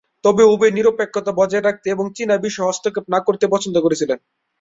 তবে উভয়ই নিরপেক্ষতা বজায় রাখতে এবং চীনা বিষয়ে হস্তক্ষেপ না করতে পছন্দ করেছিলেন।